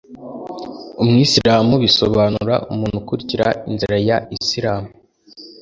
“umwisilamu” bisobanura ‘umuntu ukurikira inzira ya isilamu.’